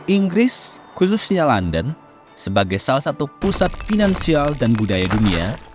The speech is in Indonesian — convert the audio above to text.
inggris khususnya london sebagai salah satu pusat finansial dan budaya dunia